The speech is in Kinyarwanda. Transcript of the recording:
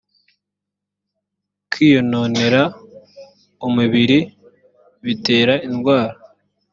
kwiyononera umubiri bitera indwara.